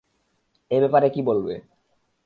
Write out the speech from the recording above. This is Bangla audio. এ ব্যাপারে কি বলবে?